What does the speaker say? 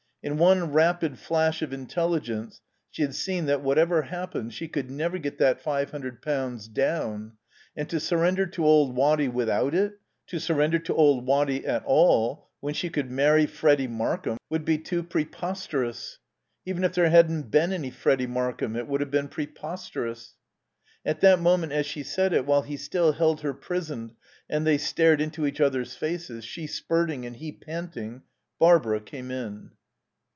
In one rapid flash of intelligence she had seen that, whatever happened, she could never get that five hundred pounds down. And to surrender to old Waddy without it, to surrender to old Waddy at all, when she could marry Freddy Markham, would be too preposterous. Even if there hadn't been any Freddy Markham, it would have been preposterous. At that moment as she said it, while he still held her prisoned and they stared into each other's faces, she spurting and he panting, Barbara came in.